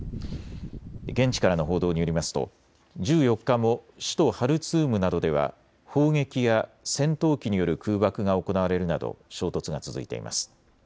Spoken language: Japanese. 現地からの報道によりますと１４日も首都ハルツームなどでは砲撃や戦闘機による空爆が行われるなど衝突が続いています。